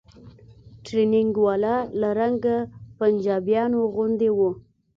ټرېننگ والا له رنګه پنجابيانو غوندې و.